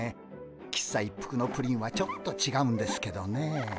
喫茶一服のプリンはちょっとちがうんですけどねえ。